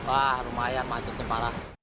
wah lumayan macetnya parah